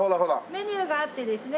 メニューがあってですね。